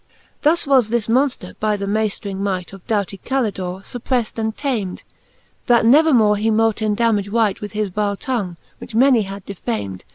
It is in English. Thus was this Monfter, by the mayftring might | Of doughty Calidore, fuppreft and tamed, | That never more he mote endammadge wight With his vile tongue, which many had defamed.